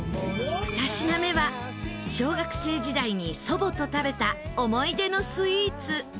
２品目は小学生時代に祖母と食べた思い出のスイーツ。